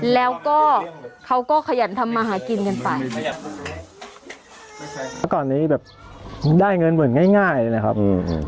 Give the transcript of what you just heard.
แล้วก็เขาก็ขยันทำมาหากินกันไปเมื่อก่อนนี้แบบได้เงินเหมือนง่ายง่ายนะครับอืม